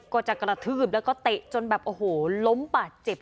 กระทืบแล้วก็เตะจนแบบโอ้โหล้มบาดเจ็บ